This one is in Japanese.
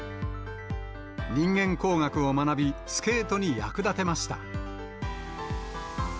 人間工学を学び、スケートに役立てました。